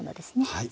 はい。